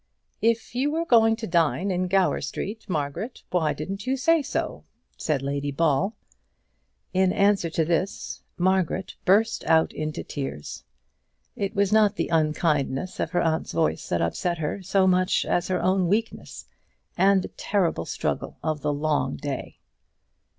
"If you were going to dine in Gower Street, Margaret, why didn't you say so?" said Lady Ball. In answer to this, Margaret burst out into tears. It was not the unkindness of her aunt's voice that upset her so much as her own weakness, and the terrible struggle of the long day.